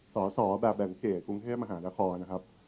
สอสอแบบแบ่งเขตกรุงเทพมหานครนะครับ